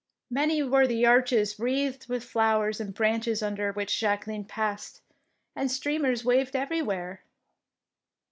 Many were the arches wreathed with flowers and branches under which Jacqueline passed, and streamers waved everywhere.